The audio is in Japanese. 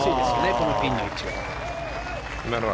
このピンの位置は。